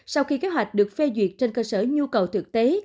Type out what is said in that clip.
sau khi kế hoạch được phê duyệt trên cơ sở nhu cầu thực tế